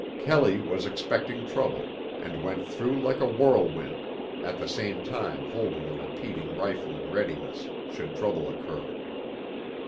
Kelley was expecting trouble, and went through like a whirlwind, at the same time holding a repeating rifle in readiness should trouble occur.